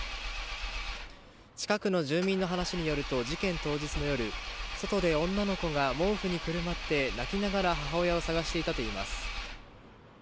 近くの住民の話によると事件当日の夜、外で女の子が毛布にくるまって、泣きながら母親を探していたといいます。